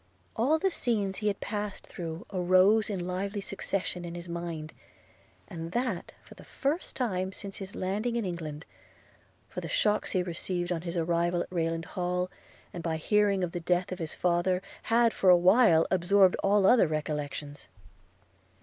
– All the scenes he had passed through arose in lively succession in his mind, and that for the first time since his landing in England; for the shocks he received on his arrival at Rayland Hall, and by hearing of the death of his father, had for a while absorbed all other recollections.